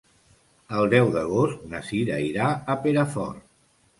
El deu d'agost na Cira irà a Perafort.